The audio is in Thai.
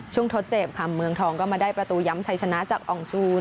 ช่วงทศเจ็บเมืองทองก็มาได้ประตูย้ำชัยชนะจากองค์ชู